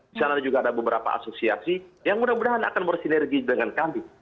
di sana juga ada beberapa asosiasi yang mudah mudahan akan bersinergi dengan kami